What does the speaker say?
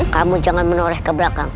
kamu jangan menoreh ke belakang